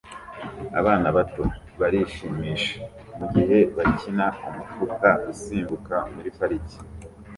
Abana bato barishimisha mugihe bakina umufuka usimbuka muri parike